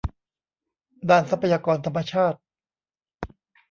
ด้านทรัพยากรธรรมชาติ